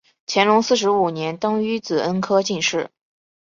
乾隆四十五年登庚子恩科进士。